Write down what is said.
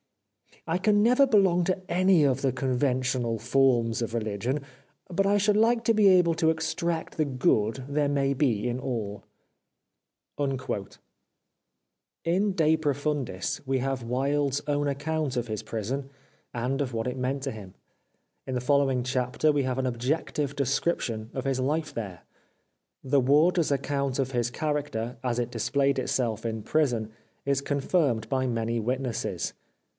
I can never belong to any of the conventional forms of religion, but I should like to be able to extract the good there may be in all.' " In " De Profundis " we have Wilde's own account of his prison and, of what it meant to him. In the following chapter we have an ob jective description of his hfe there. The warder's account of his character as it displayed itself in prison is confirmed by many witnesses.